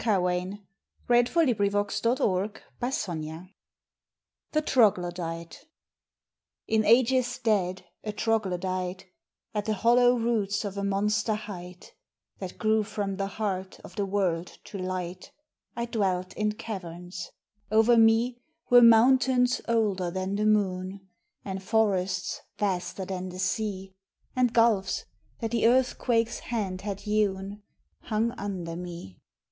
Thy face!... thy form!... So do I die accursed! THE TROGLODYTE In ages dead, a troglodyte, At the hollow roots of a monster height, That grew from the heart of the world to light, I dwelt in caverns: over me Were mountains older than the moon; And forests vaster than the sea, And gulfs, that the earthquake's hand had hewn, Hung under me.